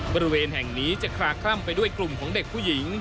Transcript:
บริเวณแห่งนี้จะคลาคล่ำไปด้วยกลุ่มของเด็กผู้หญิง